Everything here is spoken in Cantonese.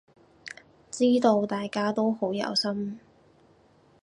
知道大家都好有心